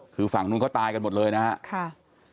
คือฝั่งนู้นเขาตายกันหมดเลยนะครับ